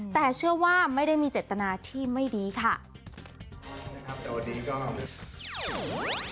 แต่เชื่อว่าไม่ได้มีเจตนาที่ไม่ดีค่ะนะครับแต่วันนี้ก็